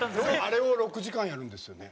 あれを６時間やるんですよね？